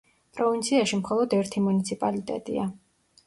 პროვინციაში მხოლოდ ერთი მუნიციპალიტეტია.